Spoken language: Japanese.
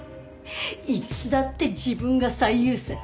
いつだって自分が最優先。